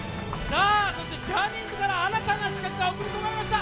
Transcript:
そしてジャニーズから新たな刺客が送り込まれました。